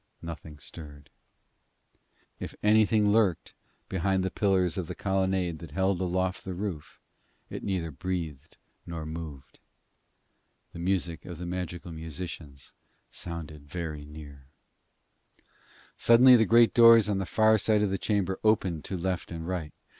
Nothing stirred. If anything lurked behind the pillars of the colonnade that held aloft the roof, it neither breathed nor moved. The music of the magical musicians sounded from very near. Suddenly the great doors on the far side of the chamber opened to left and right.